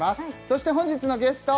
そして本日のゲスト